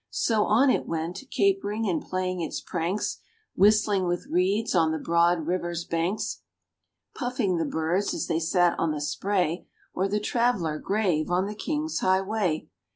So on it went, capering and playing its pranks; Whistling with reeds on the broad river's banks; Puffing the birds as they sat on the spray, Or the traveller grave on the king's highway.